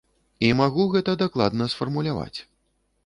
І магу гэта дакладна сфармуляваць.